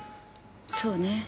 そうね。